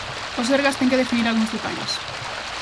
O Sergas ten que definir algúns detalles.